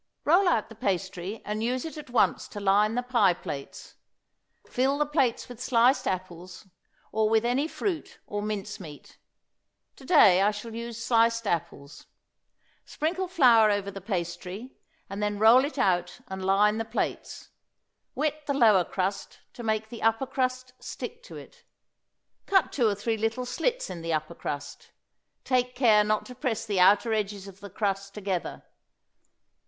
Roll out the pastry and use it at once to line the pie plates. Fill the plates with sliced apples, or with any fruit or mince meat. To day I shall use sliced apples. Sprinkle flour over the pastry, and then roll it out and line the plates; wet the lower crust to make the upper crust stick to it. Cut two or three little slits in the upper crust. Take care not to press the outer edges of the crust together.